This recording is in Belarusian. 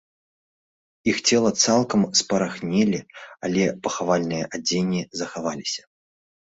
Іх цела цалкам спарахнелі, але пахавальныя адзенні захаваліся.